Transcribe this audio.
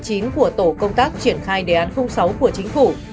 của tổ công tác triển khai đề án sáu của chính phủ